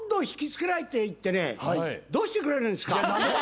どうしてくれるんですか？